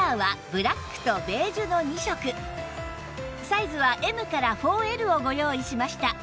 サイズは Ｍ から ４Ｌ をご用意しました